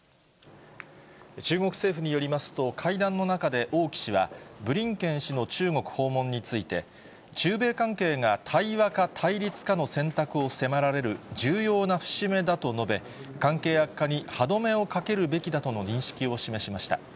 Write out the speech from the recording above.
中国政府によりますと、会談の中で王毅氏は、ブリンケン氏の中国訪問について、中米関係が対話か対立かの選択を迫られる重要な節目だと述べ、関係悪化に歯止めをかけるべきだとの認識を示しました。